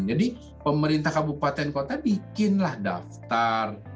jadi pemerintah kabupaten kota bikinlah daftar